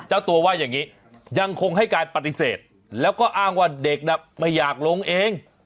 เจ้าตัวว่าอย่างนี้ยังคงให้การปฏิเสธแล้วก็อ้างว่าเด็กน่ะไม่อยากลงเอง